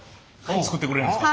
作ってくれるんですか？